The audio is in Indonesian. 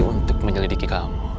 untuk menyelidiki kamu